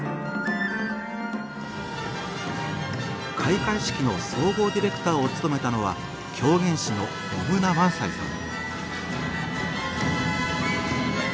開会式の総合ディレクターを務めたのは狂言師の野村萬斎さん。